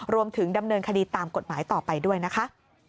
รวมถึงดำเนินคดีตามกฎหมายต่อไปด้วยนะคะ